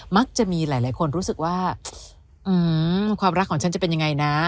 มักจะมีหลายคนรู้สึกว่าความรักของฉันจะเป็นยังไงนะ